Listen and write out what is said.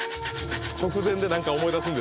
直前で何か思い出すんですよね